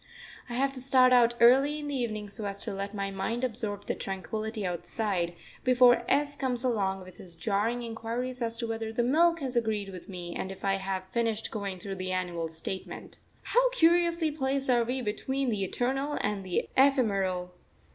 I have to start out early in the evening so as to let my mind absorb the tranquillity outside, before S comes along with his jarring inquiries as to whether the milk has agreed with me, and if I have finished going through the Annual Statement. How curiously placed are we between the Eternal and the Ephemeral!